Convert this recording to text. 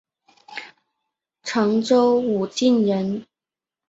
常州武进人。